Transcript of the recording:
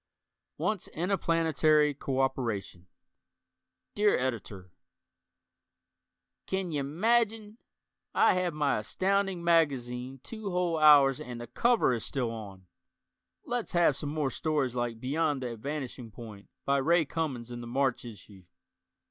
Wants Interplanetary Cooperation Dear Editor: C'n y'imagine, I have my Astounding Science magazine two whole hours and the cover is still on! Let's have some more stories like "Beyond the Vanishing Point," by Ray Cummings in the March issue.